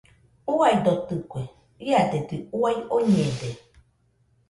Uaidotɨkue, iadedɨ uai oñede.